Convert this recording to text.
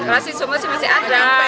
rasi sumus masih ada